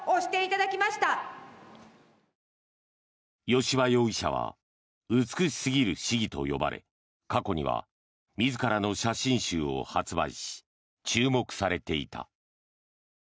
吉羽容疑者は美しすぎる市議と呼ばれ過去には自らの写真集を発売し注目されていた。